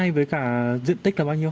bốn m hai với cả diện tích là bao nhiêu